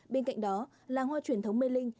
bên cạnh đó làng hoa truyền thống mê linh